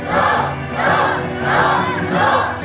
สู้